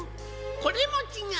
これもちがう。